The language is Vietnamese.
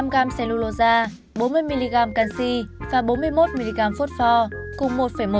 một năm g cellulosa bốn mươi mg canxi và bốn mươi một mg phốt pho